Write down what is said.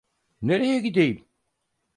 Nereye gideyim?